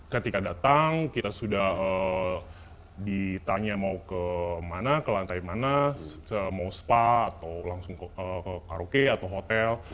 ketika datang kita sudah ditanya mau kemana ke lantai mana mau spa atau langsung ke karaoke atau hotel